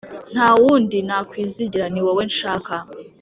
Ntawundi nakwizigira niwowe nshaka